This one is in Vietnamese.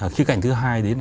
khía cạnh thứ hai đấy là